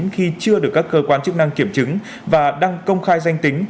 khi chưa được các cơ quan chức năng kiểm chứng và đăng công khai danh tính